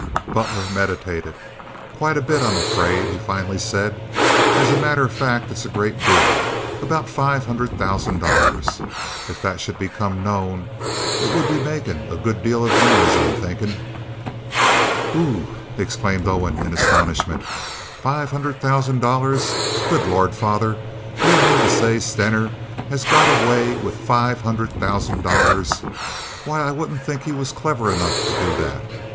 Butler meditated. "Quite a bit, I'm afraid," he finally said. "As a matter of fact, it's a great deal—about five hundred thousand dollars. If that should become known, it would be makin' a good deal of noise, I'm thinkin'." "Whew!" exclaimed Owen in astonishment. "Five hundred thousand dollars! Good Lord, father! Do you mean to say Stener has got away with five hundred thousand dollars? Why, I wouldn't think he was clever enough to do that.